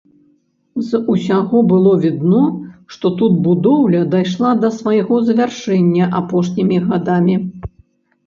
З усяго было відно, што тут будоўля дайшла да свайго завяршэння апошнімі гадамі.